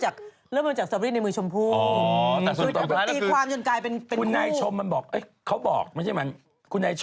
เขาก็บอกนี่แหละน่าจะเป็นคู่นี้แต่วันนี้